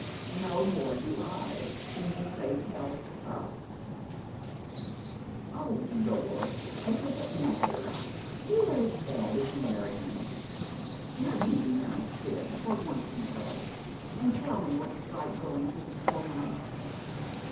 *' No more do I when you say tell us." " Oh, lor, as if it mattered I You're as bad as Marion. Now do be nice. Sib, for once in a way, and tell me what it's like going to the Stormonts.